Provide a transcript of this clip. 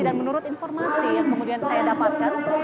menurut informasi yang kemudian saya dapatkan